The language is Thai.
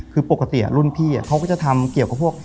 คือปกติรุ่นพี่เขาก็จะทำเกี่ยวกับพวก